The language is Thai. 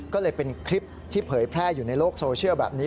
ก็เลยเป็นคลิปที่เผยแพร่อยู่ในโลกโซเชียลแบบนี้